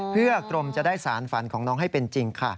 เพื่อกรมจะได้สารฝันของน้องให้เป็นจริงค่ะ